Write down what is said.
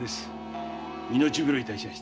命拾いいたしました。